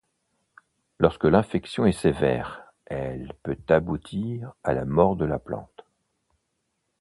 Lorsque l’infection est sévère, elle peut aboutir à la mort de la plante.